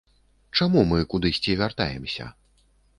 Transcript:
Чаму мы кудысьці вяртаемся?